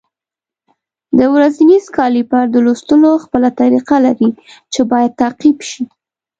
د ورنیز کالیپر د لوستلو خپله طریقه لري چې باید تعقیب شي.